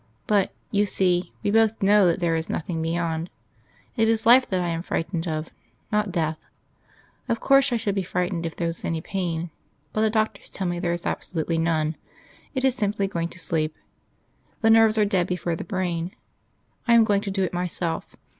But, you see, we both know that there is nothing beyond. It is life that I am frightened of not death. Of course, I should be frightened if there was any pain; but the doctors tell me there is absolutely none. It is simply going to sleep. The nerves are dead before the brain. I am going to do it myself.